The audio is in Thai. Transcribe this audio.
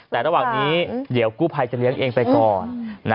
แต่ระหว่างนี้เดี๋ยวกู้ภัยจะเลี้ยงเองไปก่อน